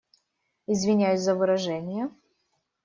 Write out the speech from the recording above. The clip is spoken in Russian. Извиняюсь за выражения.